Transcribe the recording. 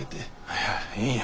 いやええんや。